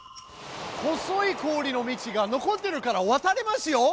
細い氷の道が残ってるからわたれますよ！